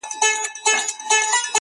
انساني وجدان ګډوډ پاتې کيږي تل,